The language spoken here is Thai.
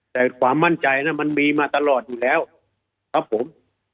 แต่ความมั่นใจนั้นมันมีมาตลอดอยู่แล้วครับผม